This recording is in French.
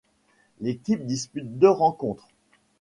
L'équipe dispute deux rencontres.